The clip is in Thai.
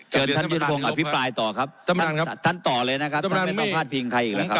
เจอท่านยุทธพงศ์อภิปรายต่อครับท่านต่อเลยนะครับท่านไม่ต้องพลาดเพียงใครอีกล่ะครับ